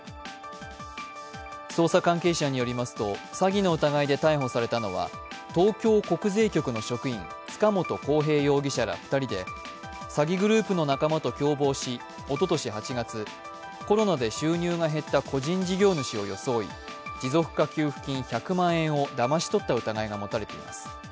捜査関係者によりますと詐欺の疑いで逮捕されたのは東京国税局の職員、塚本晃平容疑者ら２人で詐欺グループの仲間と共謀し、おととし８月、コロナで収入が減った個人事業主を装い、持続化給付金１００万円をだまし取った疑いが持たれています。